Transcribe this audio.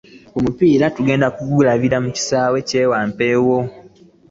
Omupiira tugenda kugulabira mu kisaawe kye Wampeewo.